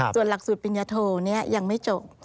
ส่วนหลักสูตรปิญญโทยังไม่จบ